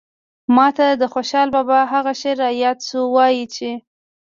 ماته د خوشال بابا هغه شعر راياد شو وايي چې